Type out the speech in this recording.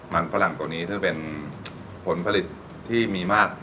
มันฝรั่งตัวนี้ซึ่งเป็นผลผลิตที่มีมาก